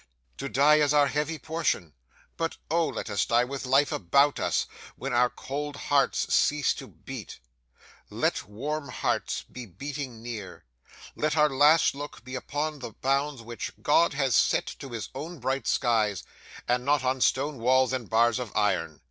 To die is our heavy portion, but, oh, let us die with life about us; when our cold hearts cease to beat, let warm hearts be beating near; let our last look be upon the bounds which God has set to his own bright skies, and not on stone walls and bars of iron!